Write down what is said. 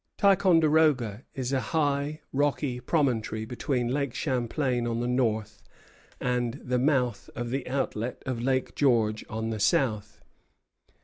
Ticonderoga is a high rocky promontory between Lake Champlain on the north and the mouth of the outlet of Lake George on the south.